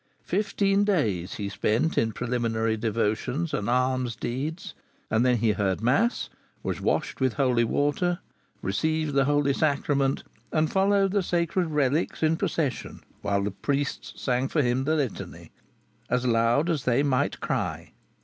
Fifteen days he spent in preliminary devotions and alms deeds, and then he heard mass, was washed with holy water, received the Holy Sacrament, and followed the sacred relics in procession, whilst the priests sang for him the Litany, "as lowde as they mygth crye."